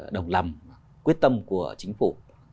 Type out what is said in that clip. đồng lòng quyết tâm của chính phủ